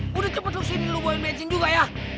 gua udah cepet lu sini lu bantuin bensin juga ya